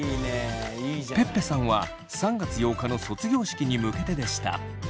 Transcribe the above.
ぺっぺさんは３月８日の卒業式に向けてでした。